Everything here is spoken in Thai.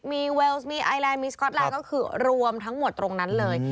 มีเวลส์มีไอแลนด์มีสก๊อตแลนด์ก็คือรวมทั้งหมดตรงนั้นเลย